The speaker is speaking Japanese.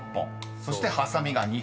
［そしてハサミが２本］